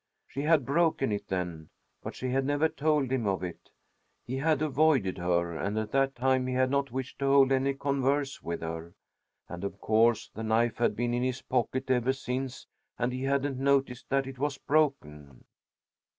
She had broken it then, but she had never told him of it. He had avoided her, and at that time he had not wished to hold any converse with her. And of course the knife had been in his pocket ever since and he hadn't noticed that it was broken.